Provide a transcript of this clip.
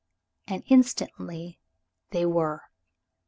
And instantly they were.